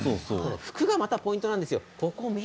服がまたポイントなんですよ。